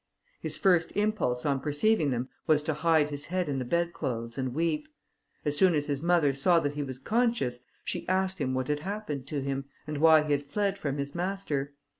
His first impulse on perceiving them was to hide his head in the bedclothes and weep. As soon as his mother saw that he was conscious, she asked him what had happened to him, and why he had fled from his master.